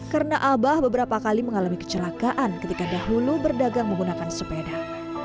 karena abah beberapa kali mengalami kecelakaan ketika dahulu berdagang menggunakan sepeda